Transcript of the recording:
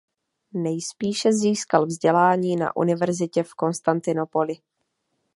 Nejspíše získal vzdělání na univerzitě v Konstantinopoli.